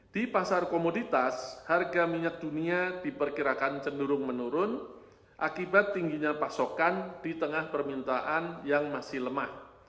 di pasar komoditas harga minyak dunia diperkirakan cenderung menurun akibat tingginya pasokan di tengah permintaan yang masih lemah